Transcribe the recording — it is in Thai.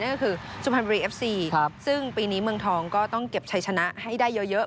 นั่นก็คือซุภัณฑ์บรีเอฟซีซึ่งปีนี้เมืองทองก็ต้องเก็บใช้ชนะให้ได้เยอะ